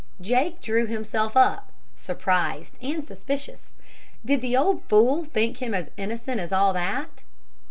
Jake drew himself up, surprised and suspicious. Did the old fool think him as innocent as all that?